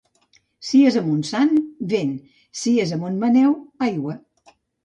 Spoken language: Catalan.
Si és a Montsant, vent; si és a Montmaneu, aigua.